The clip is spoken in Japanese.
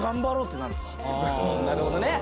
なるほどね。